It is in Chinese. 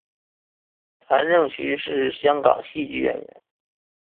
谭芷翎是香港戏剧演员。